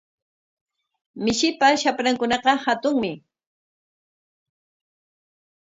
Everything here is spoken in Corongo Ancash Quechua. Mishipa shaprankunaqa hatunmi.